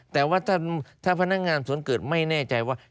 แต่ว่าถ้าพนักงานสวนเกิดไม่แน่ใจว่า